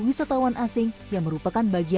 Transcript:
sehingga produk tersebut sudah dikumpulkan oleh pemerintah